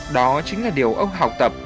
đó chính là điều ông học tập